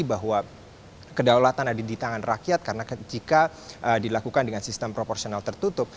bahwa kedaulatan ada di tangan rakyat karena jika dilakukan dengan sistem proporsional tertutup